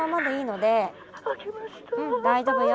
うん大丈夫よ。